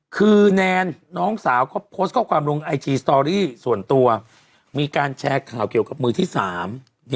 คือแนนน้องสาวเขาโพสต์ข้อความลงไอจีสตอรี่ส่วนตัวมีการแชร์ข่าวเกี่ยวกับมือที่สาม